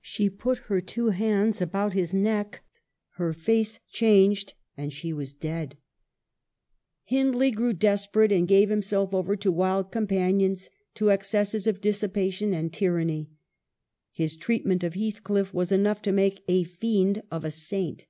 She put her two hands about his neck, her face changed, and she was dead. 244 EMILY BRONTE. Hindley grew desperate, and gave himself over to wild companions, to excesses of dissipation, and tyranny. " His treatment of Heathcliff was enough to make a fiend of a saint."